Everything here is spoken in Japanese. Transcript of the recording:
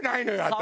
私。